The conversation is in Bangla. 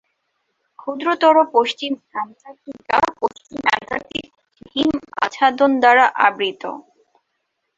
ক্ষুদ্রতর পশ্চিম অ্যান্টার্কটিকা পশ্চিম অ্যান্টার্কটিক হিম আচ্ছাদন দ্বারা আবৃত।